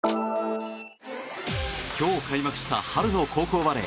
今日開幕した春の高校バレー。